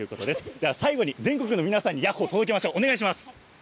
では最後に、全国の皆さんに、ヤッホー、届けましょう。